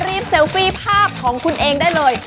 เซลฟี่ภาพของคุณเองได้เลย